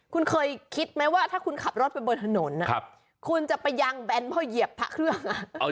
คุณเคยคิดไหมว่าถ้าคุณขับรถไปบนถนนคุณจะไปยางแบนเพราะเหยียบพระเครื่อง